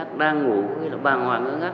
cứ đang ngủ